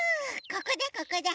ここだここだ。